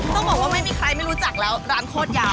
ต้องบอกว่าไม่มีใครไม่รู้จักแล้วร้านโคตรยาว